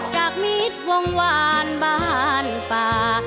มิตรวงวานบ้านป่า